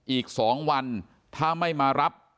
อีก๒วันถ้าไม่มารับ